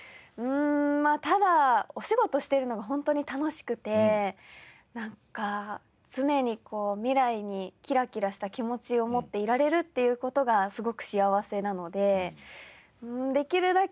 ただお仕事してるのが本当に楽しくてなんか常にこう未来にキラキラした気持ちを持っていられるっていう事がすごく幸せなのでできるだけ